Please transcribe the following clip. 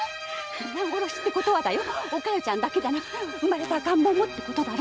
皆殺しってことはだよお加代ちゃんだけじゃなく産まれた赤ん坊もってこと？